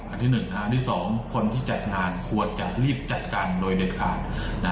อันที่๑อันที่๒คนที่จัดงานควรจะรีบจัดการโดยเด็ดขาด